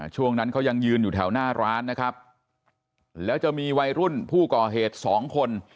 ช่วงนั้นเขายังยืนอยู่แถวหน้าร้านนะครับแล้วจะมีวัยรุ่นผู้ก่อเหตุสองคน